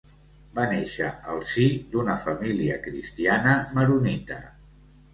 Va néixer al si d'una família cristiana maronita.